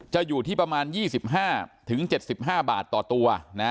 อยู่ที่ประมาณ๒๕๗๕บาทต่อตัว